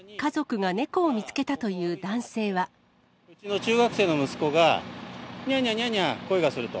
うちの中学生の息子が、にゃーにゃー、にゃーにゃー、声がすると。